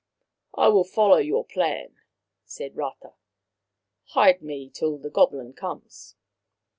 " I will follow your plan," said Rata. " Hide me till the goblin comes."